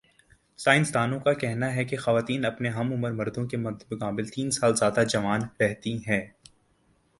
science دانوں کا کہنا ہے کہ خواتین اپنے ہم عمر مردوں کے مدمقابل تین سال زیادہ جوان رہتی ہے